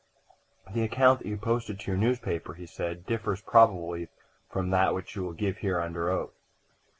"The account that you posted to your newspaper," he said, "differs probably from that which you will give here under oath."